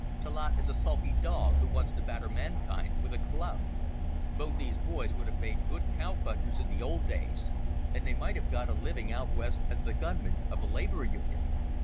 Talaat is a sulky dog who wants to batter mankind with a club. Both these boys would have made good cow punchers in the old days, and they might have got a living out West as the gun men of a Labour Union.